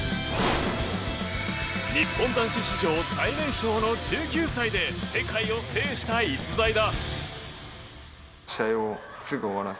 日本男子史上最年少の１９歳で世界を制した逸材だ。